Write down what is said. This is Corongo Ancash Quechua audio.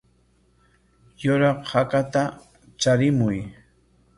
Yuraq hakata charimuy.